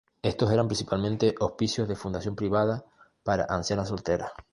Estos eran principalmente hospicios de fundación privada para ancianas solteras.